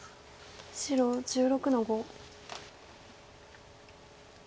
白１６の五。